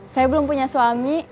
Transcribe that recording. saya belum punya suami